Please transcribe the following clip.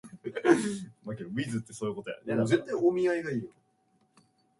In a Four Corners Rule jurisdiction, there are two basic rules.